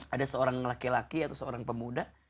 ada seorang laki laki atau seorang pemuda